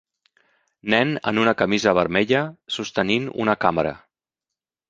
Nen en una camisa vermella sostenint una càmera.